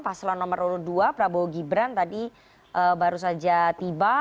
paslon nomor urut dua prabowo gibran tadi baru saja tiba